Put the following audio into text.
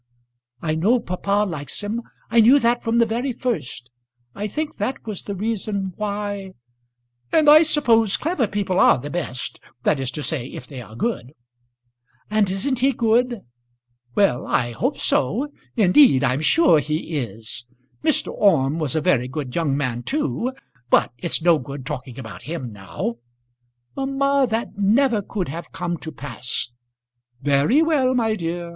"I know papa likes him. I knew that from the very first. I think that was the reason why " "And I suppose clever people are the best, that is to say, if they are good." "And isn't he good?" "Well I hope so. Indeed, I'm sure he is. Mr. Orme was a very good young man too; but it's no good talking about him now." "Mamma, that never could have come to pass." "Very well, my dear.